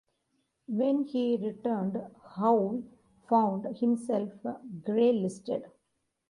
When he returned Howe found himself gray-listed.